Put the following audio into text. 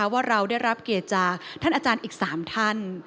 ว่าเราได้รับเกียรติจากท่านอาจารย์อีก๓ท่าน